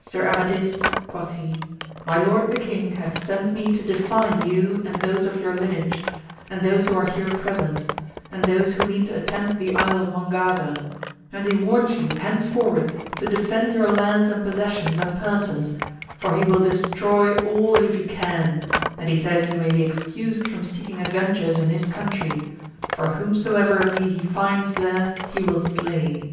Sir Amadis, quoth he, my lord the king hath sent me to defy you and those of your lineage, and those who are here AMADIS OF GAUL. 149 present, and those who mean to attempt the Isle of Mongaza, and he warns you henceforward to defend your lands and possessions and persons, for he will destroy all if he can, and he says you may be excused from seeking adventures in his country, for whomso ever of ye he finds there he will slay.